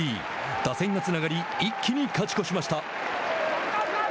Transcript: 打線がつながり一気に勝ち越しました。